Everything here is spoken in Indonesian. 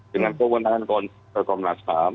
dengan kewenangan komnas ham